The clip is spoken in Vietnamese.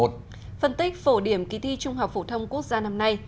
phân tích phổ điểm kỳ thi trung học phổ thông quốc gia năm nay